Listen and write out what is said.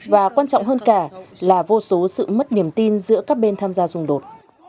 và quan trọng hơn cả là vô số sự mất niềm tin giữa các bên tham gia xung đột